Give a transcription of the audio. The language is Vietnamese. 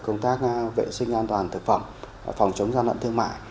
công tác vệ sinh an toàn thực phẩm phòng chống gian lận thương mại